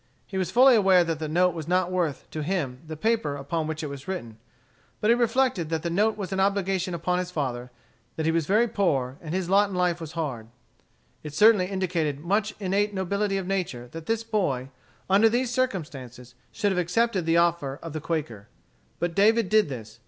He was fully aware that the note was not worth, to him, the paper upon which it was written. But he reflected that the note was an obligation upon his father, that he was very poor, and his lot in life was hard. It certainly indicated much innate nobility of nature that this boy, under these circumstances, should have accepted the offer of the Quaker. But David did this.